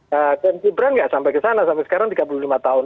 dan gibran ya sampai ke sana sampai sekarang tiga puluh lima tahun